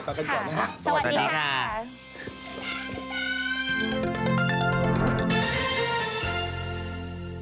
พักกันก่อนนะคะสวัสดีค่ะ